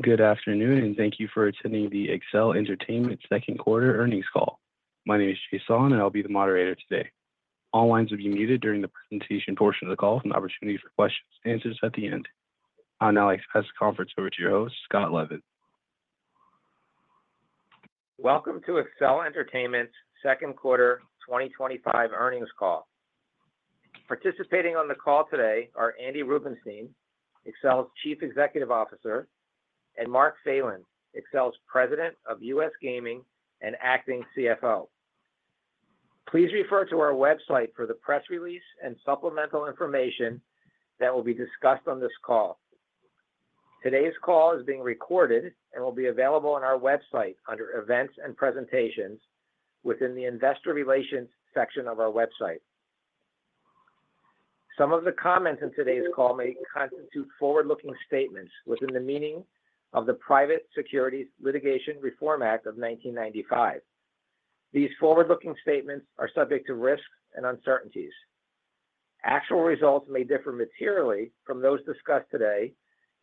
Good afternoon, and thank you for attending the Accel Entertainment Second Quarter Earnings Call. My name is Jason, and I'll be the moderator today. All lines will be muted during the presentation portion of the call, with opportunities for questions and answers at the end. Now, let's pass the conference over to your host, Scott Levin. Welcome to Accel Entertainment's Second Quarter 2025 Earnings Call. Participating on the call today are Andy Rubenstein, Accel's Chief Executive Officer, and Mark Phelan, Accel's President of US Gaming and Acting CFO. Please refer to our website for the press release and supplemental information that will be discussed on this call. Today's call is being recorded and will be available on our website under Events and Presentations within the Investor Relations section of our website. Some of the comments in today's call may constitute forward-looking statements within the meaning of the Private Securities Litigation Reform Act of 1995. These forward-looking statements are subject to risk and uncertainties. Actual results may differ materially from those discussed today,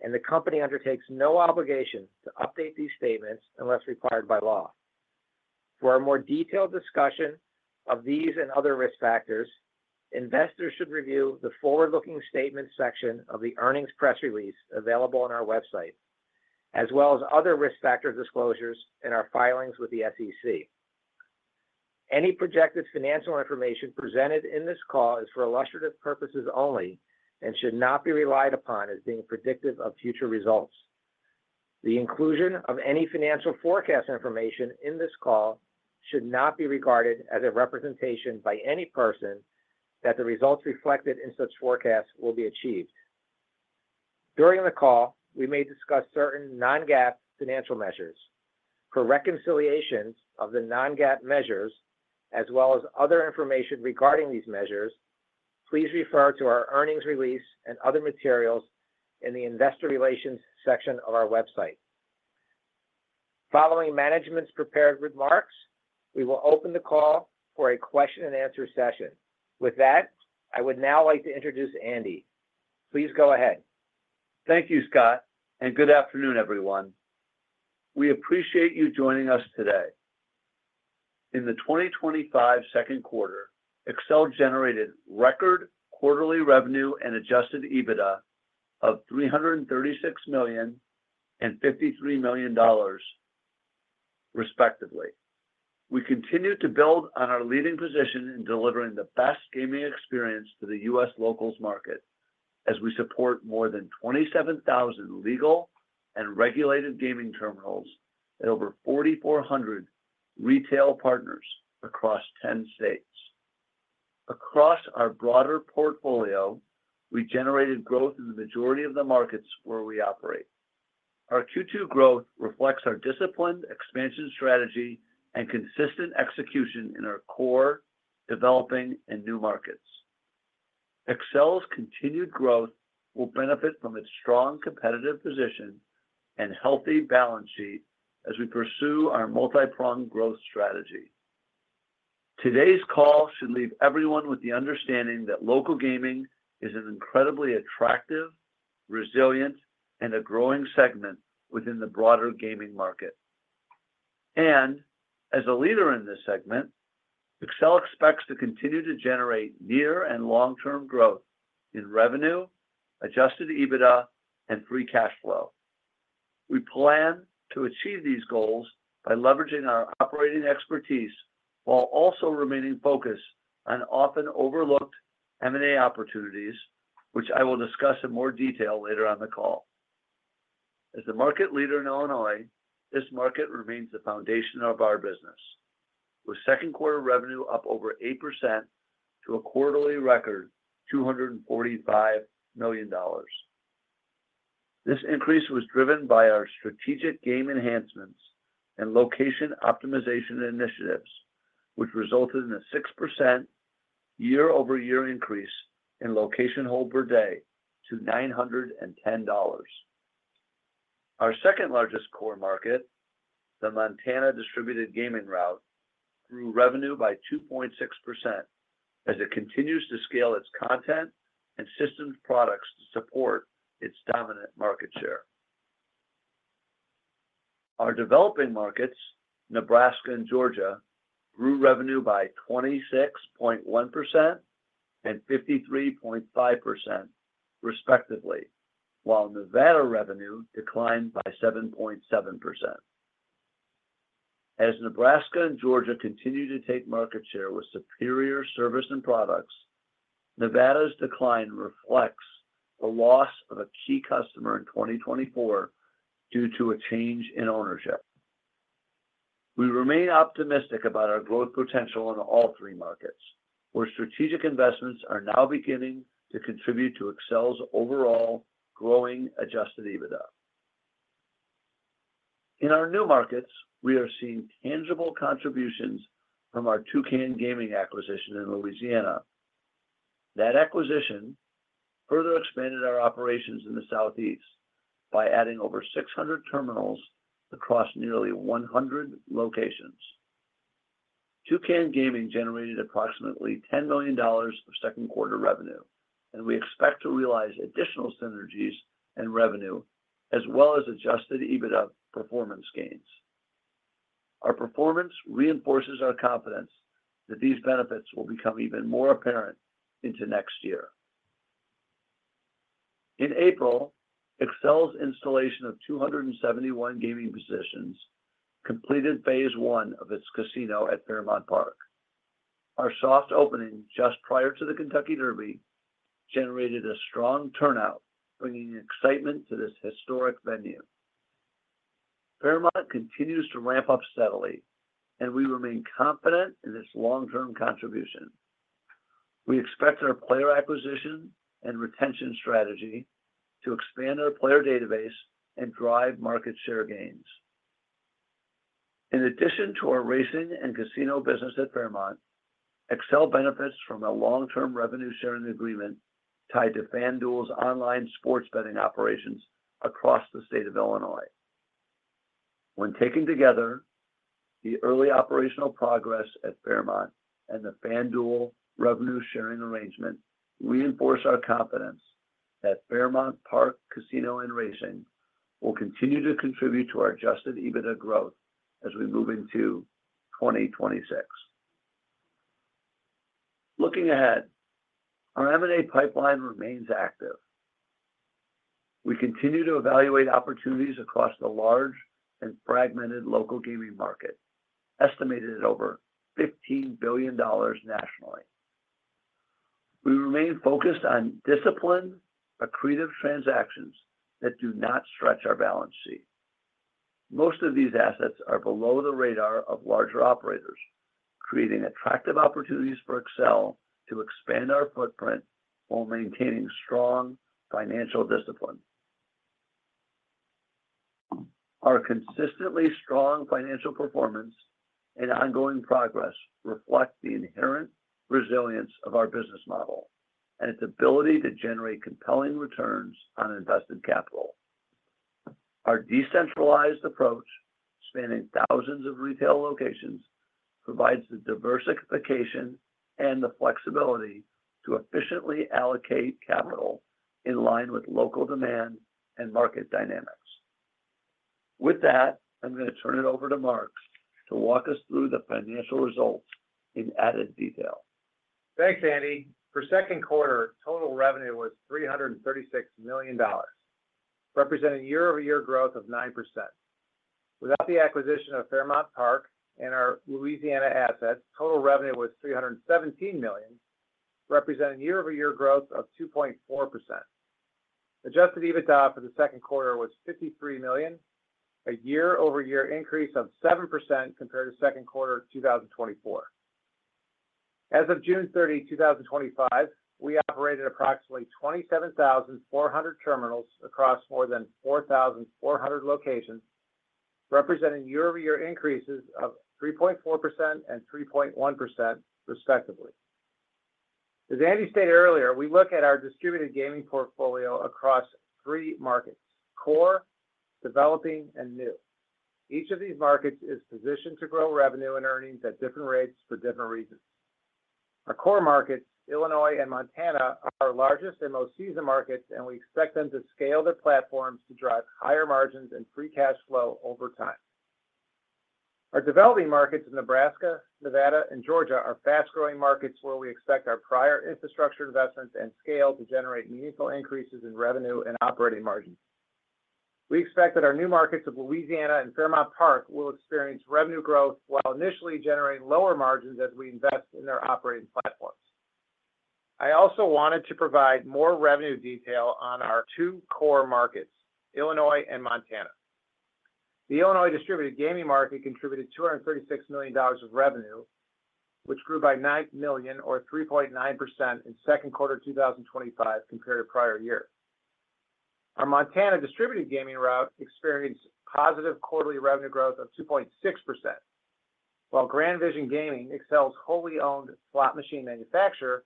and the company undertakes no obligation to update these statements unless required by law. For a more detailed discussion of these and other risk factors, investors should review the forward-looking statements section of the earnings press release available on our website, as well as other risk factor disclosures in our filings with the SEC. Any projected financial information presented in this call is for illustrative purposes only and should not be relied upon as being predictive of future results. The inclusion of any financial forecast information in this call should not be regarded as a representation by any person that the results reflected in such forecasts will be achieved. During the call, we may discuss certain non-GAAP financial measures. For reconciliations of the non-GAAP measures, as well as other information regarding these measures, please refer to our earnings release and other materials in the Investor Relations section of our website. Following management's prepared remarks, we will open the call for a question and answer session. With that, I would now like to introduce Andy. Please go ahead. Thank you, Scott, and good afternoon, everyone. We appreciate you joining us today. In the 2025 second quarter, Accel generated record quarterly revenue and adjusted EBITDA of $336 million and $53 million, respectively. We continue to build on our leading position in delivering the best gaming experience for the U.S. locals market, as we support more than 27,000 legal and regulated gaming terminals and over 4,400 retail partners across 10 states. Across our broader portfolio, we generated growth in the majority of the markets where we operate. Our Q2 growth reflects our disciplined expansion strategy and consistent execution in our core, developing, and new markets. Accel's continued growth will benefit from its strong competitive position and healthy balance sheet as we pursue our multipronged growth strategy. Today's call should leave everyone with the understanding that local gaming is an incredibly attractive, resilient, and growing segment within the broader gaming market. As a leader in this segment, Accel expects to continue to generate near and long-term growth in revenue, adjusted EBITDA, and free cash flow. We plan to achieve these goals by leveraging our operating expertise while also remaining focused on often overlooked M&A opportunities, which I will discuss in more detail later on the call. As the market leader in Illinois, this market remains the foundation of our business, with second quarter revenue up over 8% to a quarterly record $245 million. This increase was driven by our strategic game enhancements and location optimization initiatives, which resulted in a 6% year-over-year increase in location hold per day to $910. Our second largest core market, the Montana distributed gaming route, grew revenue by 2.6% as it continues to scale its content and systems products to support its dominant market share. Our developing markets, Nebraska and Georgia, grew revenue by 26.1% and 53.5%, respectively, while Nevada revenue declined by 7.7%. As Nebraska and Georgia continue to take market share with superior service and products, Nevada's decline reflects the loss of a key customer in 2024 due to a change in ownership. We remain optimistic about our growth potential in all three markets, where strategic investments are now beginning to contribute to Accel's overall growing adjusted EBITDA. In our new markets, we are seeing tangible contributions from our Toucan Gaming acquisition in Louisiana. That acquisition further expanded our operations in the Southeast by adding over 600 terminals across nearly 100 locations. Toucan Gaming generated approximately $10 million of second quarter revenue, and we expect to realize additional synergies and revenue, as well as adjusted EBITDA performance gains. Our performance reinforces our confidence that these benefits will become even more apparent into next year. In April, Accel's installation of 271 gaming positions completed phase one of its casino at Paramount Park. Our soft opening just prior to the Kentucky Derby generated a strong turnout, bringing excitement to this historic venue. Paramount continues to ramp up steadily, and we remain confident in its long-term contribution. We expect our player acquisition and retention strategy to expand our player database and drive market share gains. In addition to our racing and casino business at Paramount, Accel benefits from a long-term revenue-sharing agreement tied to FanDuel's online sports betting operations across the state of Illinois. When taken together, the early operational progress at Paramount and the FanDuel revenue-sharing arrangement reinforce our confidence that Paramount Park Casino and Racing will continue to contribute to our adjusted EBITDA growth as we move into 2026. Looking ahead, our M&A pipeline remains active. We continue to evaluate opportunities across the large and fragmented local gaming market, estimated at over $15 billion nationally. We remain focused on disciplined, accretive transactions that do not stretch our balance sheet. Most of these assets are below the radar of larger operators, creating attractive opportunities for Accel to expand our footprint while maintaining strong financial discipline. Our consistently strong financial performance and ongoing progress reflect the inherent resilience of our business model and its ability to generate compelling returns on invested capital. Our decentralized approach, spanning thousands of retail locations, provides the diversification and the flexibility to efficiently allocate capital in line with local demand and market dynamics. With that, I'm going to turn it over to Mark to walk us through the financial results in added detail. Thanks, Andy. For the second quarter, total revenue was $336 million, representing year-over-year growth of 9%. With the acquisition of Paramount Park and our Louisiana assets, total revenue was $317 million, representing year-over-year growth of 2.4%. Adjusted EBITDA for the second quarter was $53 million, a year-over-year increase of 7% compared to the second quarter of 2024. As of June 30, 2025, we operated approximately 27,400 terminals across more than 4,400 locations, representing year-over-year increases of 3.4% and 3.1%, respectively. As Andy stated earlier, we look at our distributed gaming portfolio across three markets: core, developing, and new. Each of these markets is positioned to grow revenue and earnings at different rates for different reasons. Our core markets, Illinois and Montana, are our largest and most seasoned markets, and we expect them to scale their platforms to drive higher margins and free cash flow over time. Our developing markets in Nebraska, Nevada, and Georgia are fast-growing markets where we expect our prior infrastructure investments and scale to generate meaningful increases in revenue and operating margins. We expect that our new markets of Louisiana and Paramount Park will experience revenue growth while initially generating lower margins as we invest in their operating platforms. I also wanted to provide more revenue detail on our two core markets, Illinois and Montana. The Illinois distributed gaming market contributed $236 million of revenue, which grew by $9 million, or 3.9% in the second quarter of 2025 compared to prior years. Our Montana distributed gaming route experienced positive quarterly revenue growth of 2.6%, while Grand Vision Gaming, Accel's wholly owned slot machine manufacturer,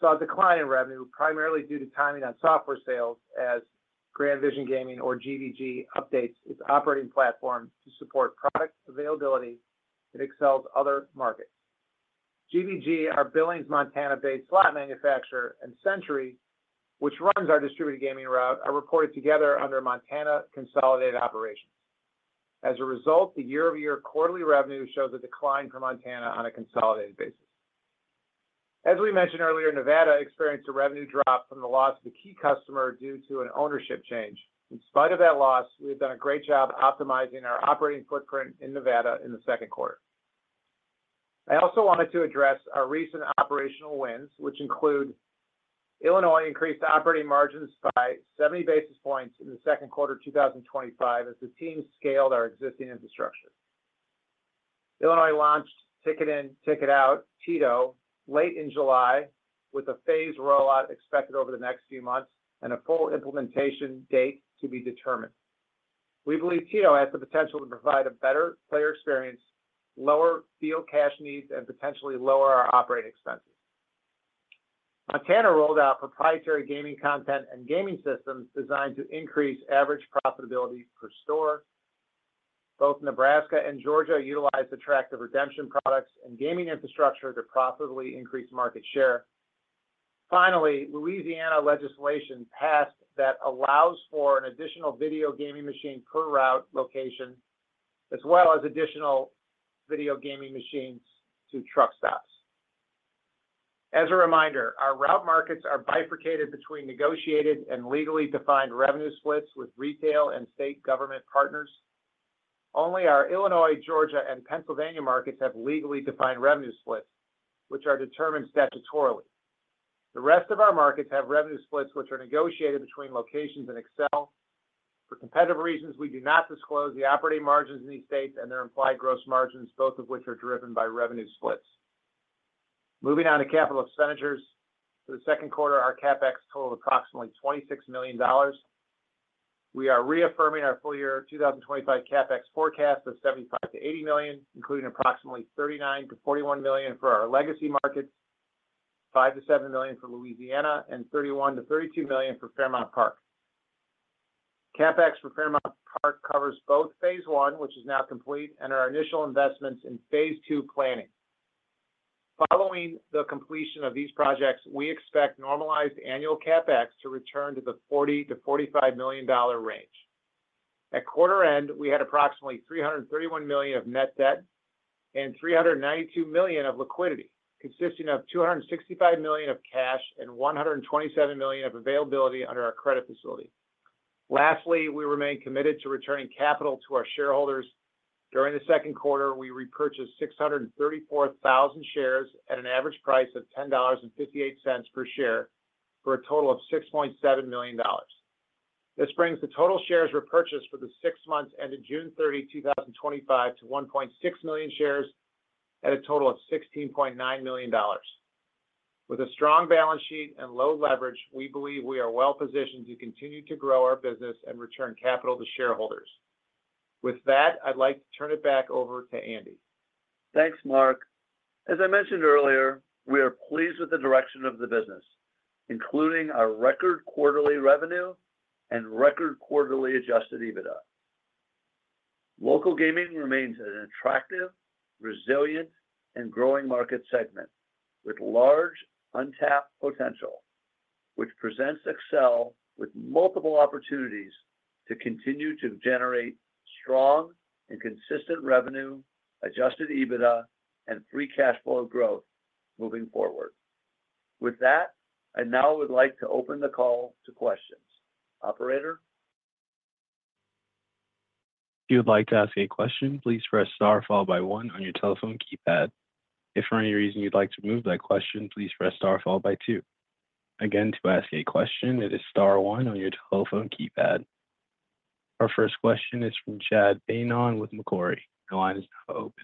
saw a decline in revenue primarily due to timing on software sales as Grand Vision Gaming, or GVG, updates its operating platform to support product availability in Accel's other markets. GVG, our Billings, Montana-based slot manufacturer, and Century, which runs our distributed gaming route, are reported together under Montana Consolidated Operations. As a result, the year-over-year quarterly revenue shows a decline for Montana on a consolidated basis. As we mentioned earlier, Nevada experienced a revenue drop from the loss of a key customer due to an ownership change. In spite of that loss, we have done a great job optimizing our operating footprint in Nevada in the second quarter. I also wanted to address our recent operational wins, which include Illinois increased operating margins by 70 basis points in the second quarter of 2025 as the team scaled our existing infrastructure. Illinois launched Ticket In, Ticket Out, TITO late in July, with a phased rollout expected over the next few months and a full implementation date to be determined. We believe TITO has the potential to provide a better player experience, lower field cash needs, and potentially lower our operating expenses. Montana rolled out proprietary gaming content and gaming systems designed to increase average profitability per store. Both Nebraska and Georgia utilized attractive redemption products and gaming infrastructure to profitably increase market share. Finally, Louisiana legislation passed that allows for an additional video gaming machine per route location, as well as additional video gaming machines to truck stops. As a reminder, our route markets are bifurcated between negotiated and legally defined revenue splits with retail and state government partners. Only our Illinois, Georgia, and Pennsylvania markets have legally defined revenue splits, which are determined statutorily. The rest of our markets have revenue splits which are negotiated between locations and Accel. For competitive reasons, we do not disclose the operating margins in these states and their implied gross margins, both of which are driven by revenue splits. Moving on to capital expenditures, for the second quarter, our CapEx totaled approximately $26 million. We are reaffirming our full-year 2025 CapEx forecast of $75 million-$80 million, including approximately $39 million-$41 million for our legacy market, $5 million-$7 million for Louisiana, and $31 million-$32 million for Paramount Park. CapEx for Paramount Park covers both phase one, which is now complete, and our initial investments in phase two planning. Following the completion of these projects, we expect normalized annual CapEx to return to the $40 million-$45 million range. At quarter end, we had approximately $331 million of net debt and $392 million of liquidity, consisting of $265 million of cash and $127 million of availability under our credit facility. Lastly, we remain committed to returning capital to our shareholders. During the second quarter, we repurchased 634,000 shares at an average price of $10.58 per share for a total of $6.7 million. This brings the total shares repurchased for the six months ended June 30, 2025, to 1.6 million shares at a total of $16.9 million. With a strong balance sheet and low leverage, we believe we are well positioned to continue to grow our business and return capital to shareholders. With that, I'd like to turn it back over to Andy. Thanks, Mark. As I mentioned earlier, we are pleased with the direction of the business, including our record quarterly revenue and record quarterly adjusted EBITDA. Local gaming remains an attractive, resilient, and growing market segment with large untapped potential, which presents Accel with multiple opportunities to continue to generate strong and consistent revenue, adjusted EBITDA, and free cash flow growth moving forward. With that, I now would like to open the call to questions. Operator? If you would like to ask a question, please press star followed by one on your telephone keypad. If for any reason you'd like to move that question, please press star followed by two. Again, to ask a question, it is star one on your telephone keypad. Our first question is from Chad Beynon with Macquarie. The line is now open.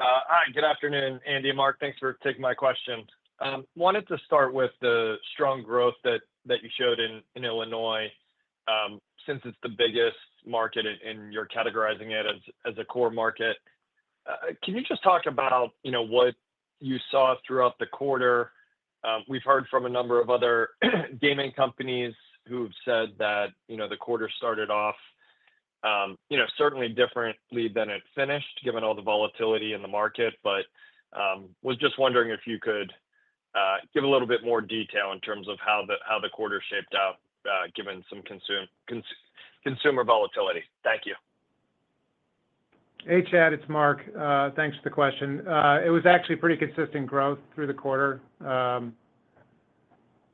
All right, good afternoon, Andy and Mark. Thanks for taking my question. I wanted to start with the strong growth that you showed in Illinois. Since it's the biggest market and you're categorizing it as a core market, can you just talk about what you saw throughout the quarter? We've heard from a number of other gaming companies who have said that the quarter started off certainly differently than it finished, given all the volatility in the market. I was just wondering if you could give a little bit more detail in terms of how the quarter shaped out, given some consumer volatility. Thank you. Hey, Chad, it's Mark. Thanks for the question. It was actually pretty consistent growth through the quarter.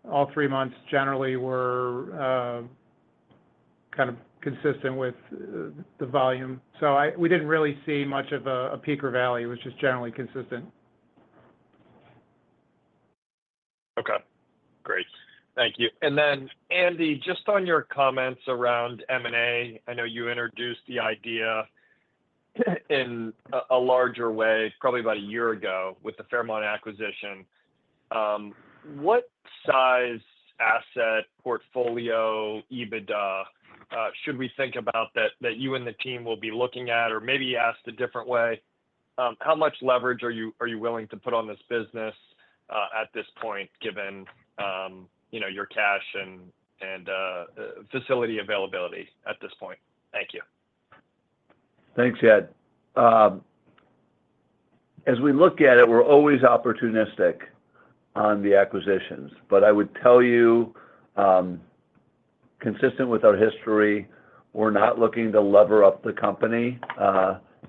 All three months generally were kind of consistent with the volume. We didn't really see much of a peak or valley. It was just generally consistent. Great. Thank you. Andy, just on your comments around M&A, I know you introduced the idea in a larger way probably about a year ago with the Paramount acquisition. What size asset portfolio EBITDA should we think about that you and the team will be looking at? Maybe asked a different way, how much leverage are you willing to put on this business at this point, given your cash and facility availability at this point? Thank you. Thanks, Chad. As we look at it, we're always opportunistic on the acquisitions, but I would tell you, consistent with our history, we're not looking to lever up the company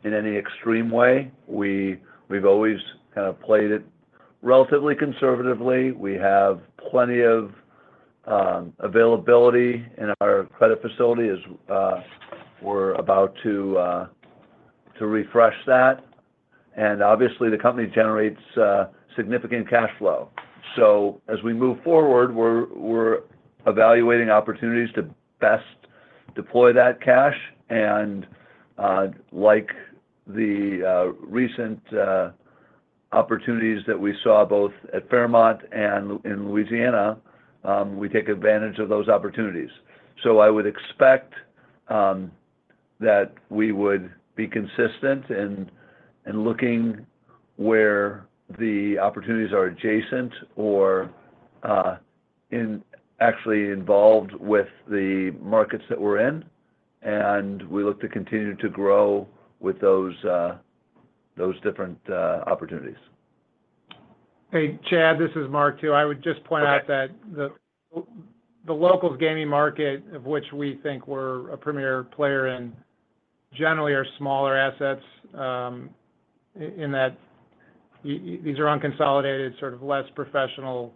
in any extreme way. We've always kind of played it relatively conservatively. We have plenty of availability in our credit facility as we're about to refresh that. Obviously, the company generates significant cash flow. As we move forward, we're evaluating opportunities to best deploy that cash. Like the recent opportunities that we saw both at Paramount and in Louisiana, we take advantage of those opportunities. I would expect that we would be consistent in looking where the opportunities are adjacent or actually involved with the markets that we're in. We look to continue to grow with those different opportunities. Hey, Chad, this is Mark too. I would just point out that the locals gaming market, of which we think we're a premier player in, generally are smaller assets in that these are unconsolidated, sort of less professional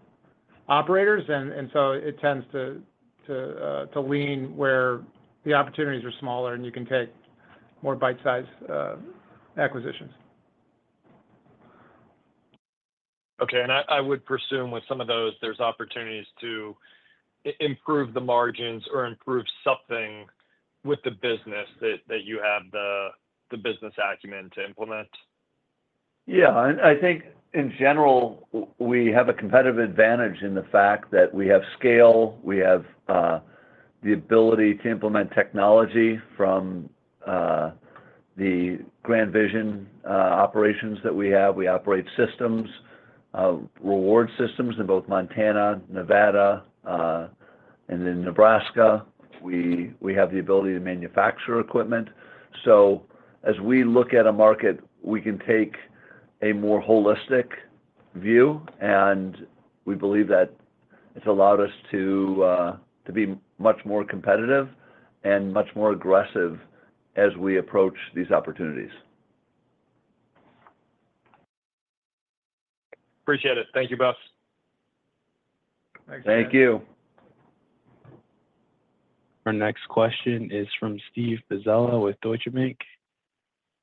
operators. It tends to lean where the opportunities are smaller and you can take more bite-sized acquisitions. Okay. I would presume with some of those, there's opportunities to improve the margins or improve something with the business that you have the business acumen to implement. I think in general, we have a competitive advantage in the fact that we have scale. We have the ability to implement technology from the Grand Vision operations that we have. We operate systems, reward systems in both Montana, Nevada, and in Nebraska. We have the ability to manufacture equipment. As we look at a market, we can take a more holistic view, and we believe that it's allowed us to be much more competitive and much more aggressive as we approach these opportunities. Appreciate it. Thank you, [Bobs]. Thank you. Our next question is from Steve Pizzella with Deutsche Bank.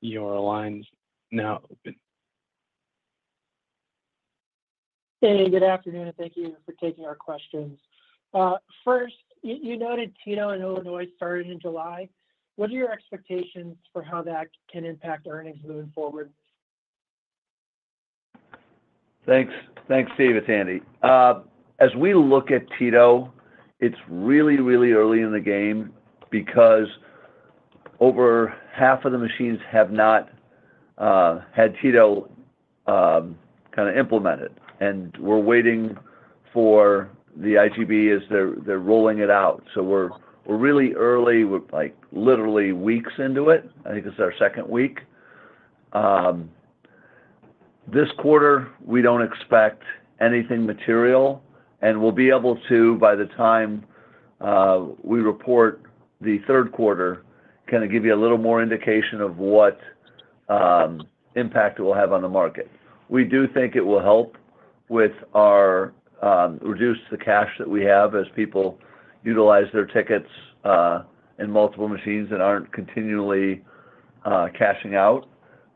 Your line is now open. Andy, good afternoon, and thank you for taking our questions. First, you noted TITO in Illinois started in July. What are your expectations for how that can impact earnings moving forward? Thanks, Steve. It's Andy. As we look at TITO, it's really, really early in the game because over half of the machines have not had TITO implemented. We're waiting for the IGB as they're rolling it out. We're really early; we're literally weeks into it. I think it's our second week. This quarter, we don't expect anything material. By the time we report the third quarter, we'll be able to give you a little more indication of what impact it will have on the market. We do think it will help reduce the cash that we have as people utilize their tickets in multiple machines and aren't continually cashing out.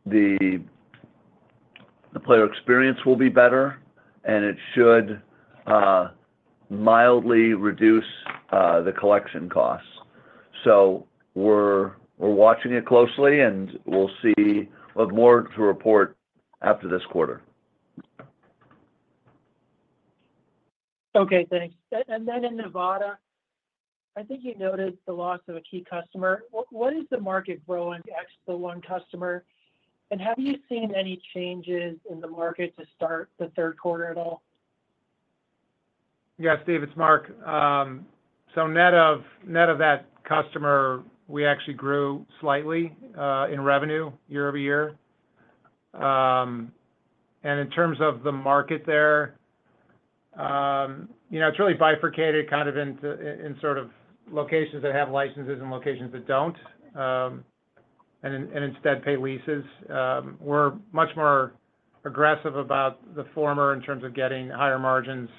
The player experience will be better, and it should mildly reduce the collection costs. We're watching it closely, and we'll see what more to report after this quarter. Okay. Thanks. In Nevada, I think you noted the loss of a key customer. What is the market growing at the one customer? Have you seen any changes in the market to start the third quarter at all? Yes, Steve. It's Mark. Net of that customer, we actually grew slightly in revenue year over year. In terms of the market there, it's really bifurcated into locations that have licenses and locations that don't, and instead pay leases. We're much more aggressive about the former in terms of getting higher margins.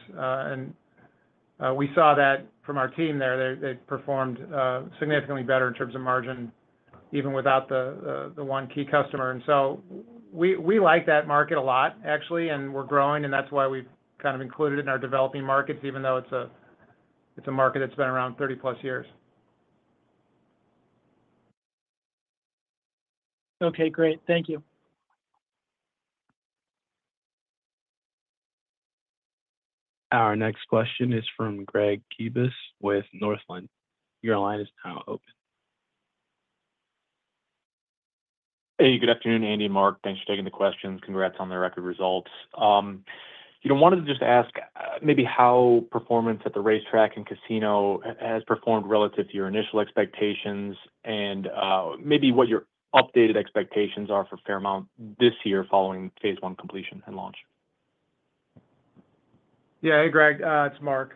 We saw that from our team there. They performed significantly better in terms of margin, even without the one key customer. We like that market a lot, actually, and we're growing, and that's why we've kind of included it in our developing markets, even though it's a market that's been around 30+ years. Okay. Great. Thank you. Our next question is from Greg Gibas with Northland. Your line is now open. Hey, good afternoon, Andy, Mark. Thanks for taking the questions. Congrats on the record results. I wanted to just ask maybe how performance at the racetrack and casino has performed relative to your initial expectations and maybe what your updated expectations are for Paramount this year following phase one completion and launch. Yeah. Hey, Greg. It's Mark.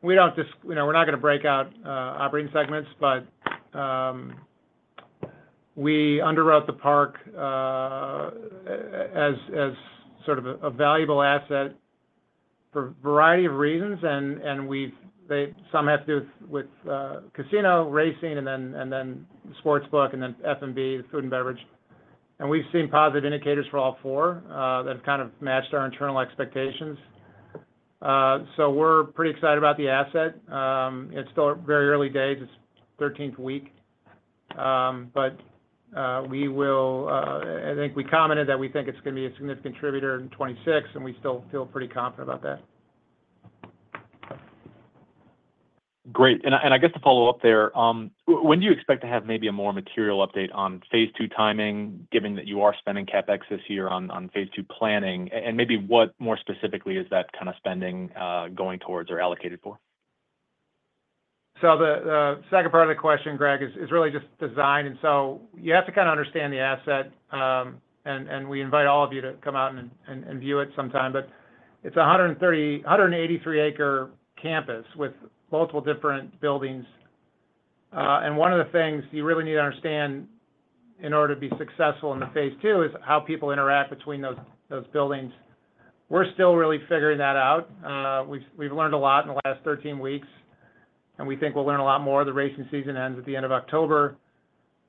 We don't just, you know, we're not going to break out operating segments, but we underwrote the park as sort of a valuable asset for a variety of reasons. Some have to do with casino, racing, sports book, and F&B, the food and beverage. We've seen positive indicators for all four that kind of matched our internal expectations. We're pretty excited about the asset. It's still very early days. It's the 13th week. We commented that we think it's going to be a significant contributor in 2026, and we still feel pretty confident about that. Great. I guess to follow up there, when do you expect to have maybe a more material update on phase two timing, given that you are spending CapEx this year on phase two planning? What more specifically is that kind of spending going towards or allocated for? The second part of the question, Greg, is really just design. You have to kind of understand the asset. We invite all of you to come out and view it sometime. It's a 183-acre campus with multiple different buildings. One of the things you really need to understand in order to be successful in phase two is how people interact between those buildings. We're still really figuring that out. We've learned a lot in the last 13 weeks, and we think we'll learn a lot more. The racing season ends at the end of October.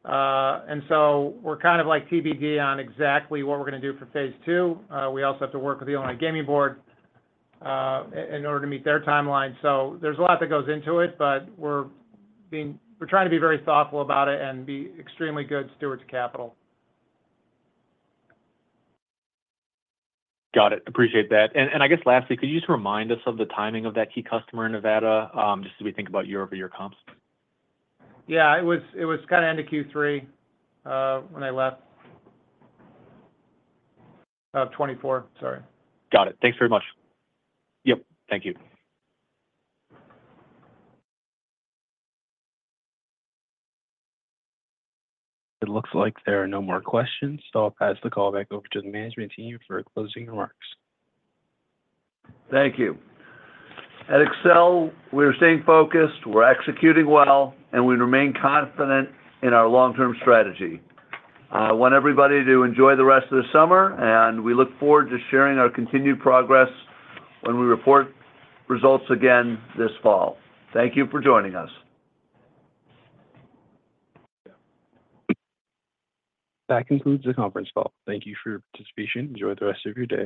We're kind of like TBD on exactly what we're going to do for phase two. We also have to work with the Illinois Gaming Board in order to meet their timeline. There's a lot that goes into it, but we're trying to be very thoughtful about it and be extremely good stewards of capital. Got it. Appreciate that. Lastly, could you just remind us of the timing of that key customer in Nevada just as we think about year-over-year comps? Yeah, it was kind of end of Q3 when they left. 2024, sorry. Got it. Thanks very much. Thank you. It looks like there are no more questions, so I'll pass the call back over to the management team for closing remarks. Thank you. At Accel, we're staying focused, we're executing well, and we remain confident in our long-term strategy. I want everybody to enjoy the rest of the summer, and we look forward to sharing our continued progress when we report results again this fall. Thank you for joining us. That concludes the conference call. Thank you for your participation. Enjoy the rest of your day.